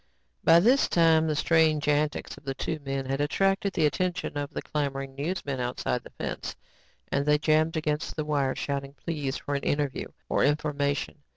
By this time, the strange antics of the two men had attracted the attention of the clamoring newsmen outside the fence and they jammed against the wire, shouting pleas for an interview or information.